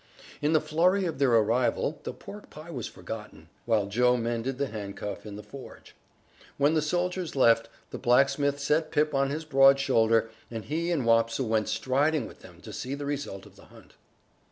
In the flurry of their arrival the pork pie was forgotten, while Joe mended the handcuff in the forge. When the soldiers left, the blacksmith set Pip on his broad shoulder, and he and Wopsle went striding with them to see the result of the hunt.